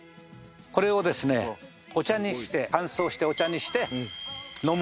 これをですねお茶にして乾燥してお茶にして飲むんですね。